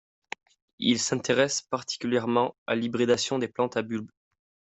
Il s’intéresse particulièrement à l’hybridation des plantes à bulbes.